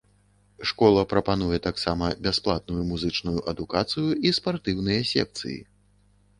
Школа прапануе таксама бясплатную музычную адукацыю і спартыўныя секцыі.